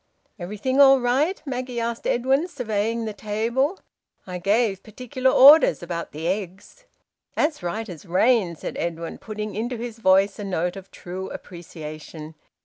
"Everything all right?" Maggie asked Edwin, surveying the table. "I gave particular orders about the eggs." "As right as rain," said Edwin, putting into his voice a note of true appreciation.